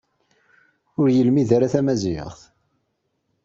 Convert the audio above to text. Ur yelmid ara tamaziɣt.